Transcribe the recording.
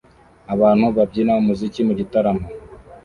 Abantu babyina umuziki mugitaramo